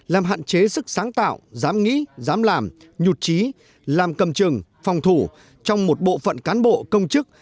làm hạn chế sức sáng tạo dám nghĩ dám làm nhụt trí làm cầm trừng phòng thủ trong một bộ phận cán bộ công chức